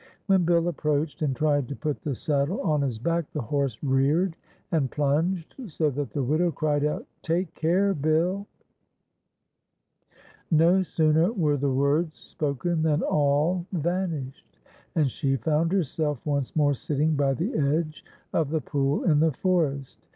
When Bill approached and tried to put the saddle on his back, the horse reared and plunged so that the widow cried out :" Take care. Bill!" 142 tjfsy's silver bell. No sooner were the words spoken than all vanished, and she found herself once more sitting by the edge of the pool in the forest.